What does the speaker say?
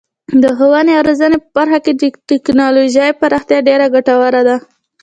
د ښوونې او روزنې په برخه کې د تکنالوژۍ پراختیا ډیره ګټوره ده.